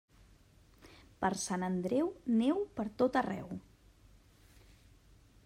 Per Sant Andreu, neu per tot arreu.